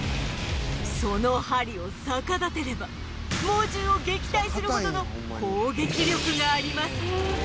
その針を逆立てれば猛獣を撃退するほどの攻撃力があります